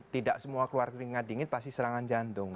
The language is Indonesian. tidak semua keluar keringat dingin pasti serangan jantung